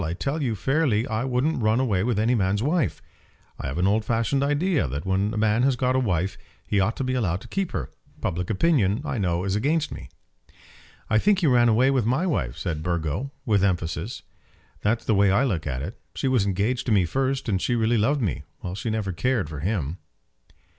I tell you fairly I wouldn't run away with any man's wife. I have an old fashioned idea that when a man has got a wife he ought to be allowed to keep her. Public opinion, I know, is against me." "I think he ran away with my wife," said Burgo, with emphasis; "that's the way I look at it. She was engaged to me first; and she really loved me, while she never cared for him."